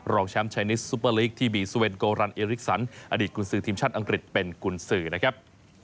แชมป์ชายนิสซุปเปอร์ลีกที่บีซเวนโกรันเอริกสันอดีตกุญสือทีมชาติอังกฤษเป็นกุญสือนะครับ